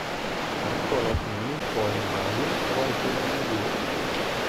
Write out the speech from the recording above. Não coloque nenhum pó em maio ou argila em agosto.